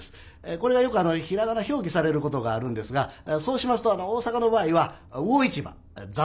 これがよく平仮名表記されることがあるんですがそうしますと大阪の場合は魚市場雑魚場ですね